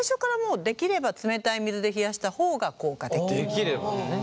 できればね。